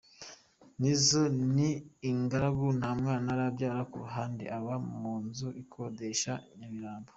Nizzo, ni ingaragu, nta mwana arabyara ku ruhande, aba mu nzu akodesha Nyamirambo.